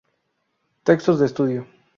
Textos de Estudio